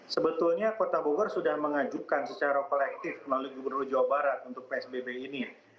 sebetulnya kota bogor sudah mengajukan secara kolektif melalui gubernur jawa barat untuk psbb ini